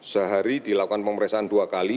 sehari dilakukan pemeriksaan dua kali